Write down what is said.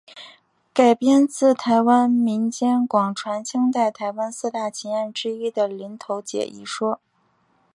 改编自台湾民间广传清代台湾四大奇案之一的林投姐一传说。